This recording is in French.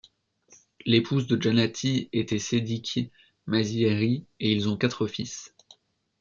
L'épouse de Jannati était Sediqeh Mazaheri et ils ont quatre fils.